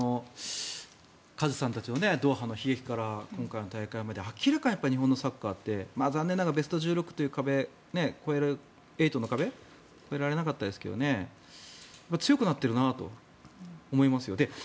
カズさんたちのドーハの悲劇から今回の大会まで明らかに日本のサッカーって残念ながらベスト８を壁を越えられなかったですが強くなったと思いますよ。